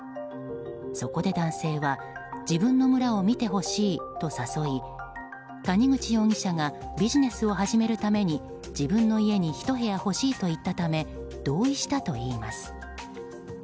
そこで男性は自分の村を見てほしいと誘い谷口容疑者がビジネスを始めるために自分の家に１部屋欲しいと言ったため同意したといいます。